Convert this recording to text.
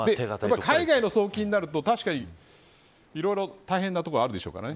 海外の送金になると、確かにいろいろ大変なところもあるでしょうね。